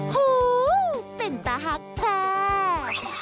ฮู้เป็นตาฮักแท้